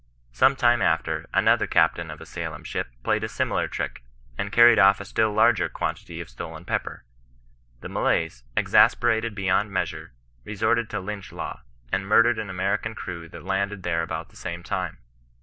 Some time after, another captain of a Salem ship played a similar trick, and carried off a still larger quantity of stolen pepper. The Malays, exasperated beyond mesr sure, resorted to Lynch law, and murdered an American crew that landed there about the same time.